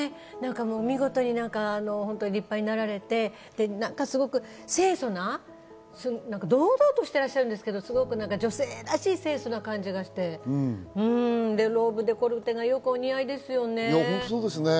見事に立派になられて、何かすごく清楚な、堂々としてらっしゃるんですけど、女性らしい清楚な感じがして、ローブデコルテがよくお似合いですよね。